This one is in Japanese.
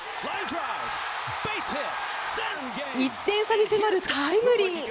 １点差に迫るタイムリー。